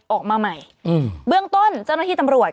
ออกมาใหม่อืมเบื้องต้นเจ้าหน้าที่ตำรวจ